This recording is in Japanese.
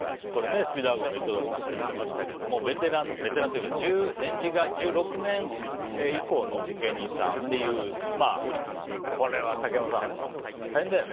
スピードワゴンの井戸田さんも言ってましたけどベテランというか年次が１６年以降の芸人さんっていうこれは竹山さん大変だよね。